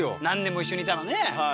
何年も一緒にいたらね。